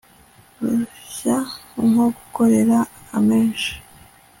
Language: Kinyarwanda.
rushya nko gukorera amenshi